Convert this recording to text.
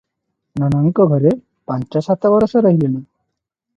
ନନାଙ୍କ ଘରେ ପାଞ୍ଚ ସାତ ବରଷ ରହିଲିଣି ।